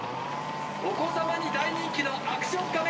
お子様に大人気のアクション仮面